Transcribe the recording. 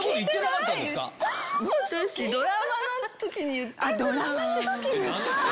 ドラマの時に言った？